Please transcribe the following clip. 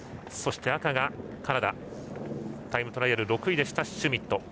そして、赤がカナダタイムトライアル６位でしたシュミット。